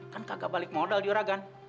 kan kagak balik modal juragan